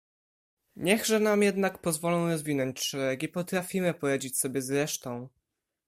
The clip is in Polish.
"Niechże nam jednak pozwolą rozwinąć szeregi, potrafimy poradzić sobie z resztą!"